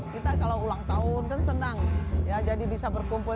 kita kalau ulang tahun kan senang ya jadi bisa berkumpul